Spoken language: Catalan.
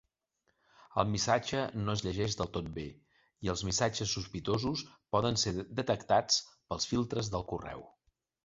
El missatge no es llegeix del tot bé i els missatges sospitosos poden ser detectats pels filtres del correu.